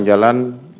iya betul tanggal lima